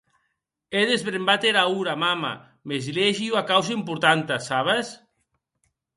È desbrembat era ora, mama, mès liegi ua causa importanta, sabes?